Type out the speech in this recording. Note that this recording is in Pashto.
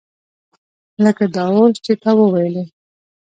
لکه دا اوس چې تا وویلې.